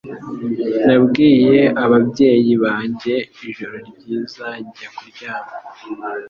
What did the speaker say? Nabwiye ababyeyi banjye "ijoro ryiza" njya kuryama.